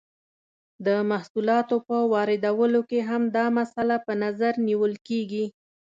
د محصولاتو په واردولو کې هم دا مسئله په نظر نیول کیږي.